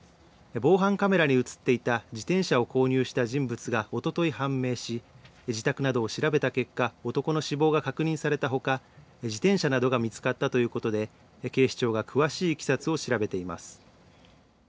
防犯カメラに写っていた自転車を購入した人物がおととい判明し自宅などを調べた結果男の死亡が確認されたほか自転車などが見つかったということで警視庁が詳しいいきさつを調べています。